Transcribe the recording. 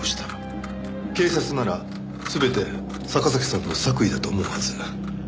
警察なら全て坂崎さんの作為だと思うはず。